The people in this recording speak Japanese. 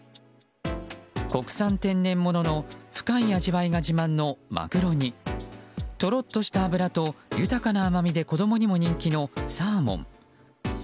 国産天然物の深い味わいが自慢のマグロにトロッとした脂と豊かな甘みで子供にも人気のサーモン。